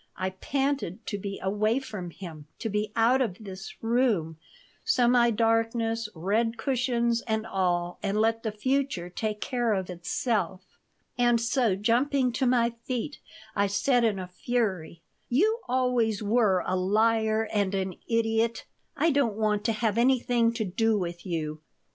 I panted to be away from him, to be out of this room, semi darkness, red cushions, and all, and let the future take care of itself. And so, jumping to my feet, I said, in a fury: "You always were a liar and an idiot. I don't want to have anything to do with you."